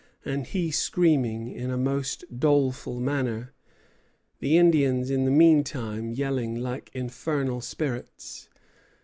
and he screaming in a most doleful manner, the Indians in the meantime yelling like infernal spirits.